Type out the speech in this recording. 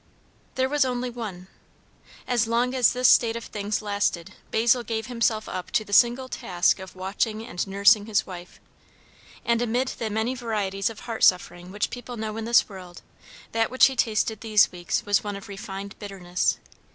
There was only one. As long as this state of things lasted, Basil gave himself up to the single task of watching and nursing his wife. And amid the many varieties of heart suffering which people know in this world, that which he tasted these weeks was one of refined bitterness.